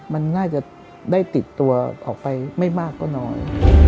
มันน่าจะได้ติดตัวออกไปไม่มากก็น้อย